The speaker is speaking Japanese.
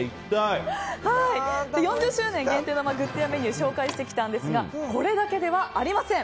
４０周年限定のグッズやメニューを紹介してきたんですがこれだけではありません。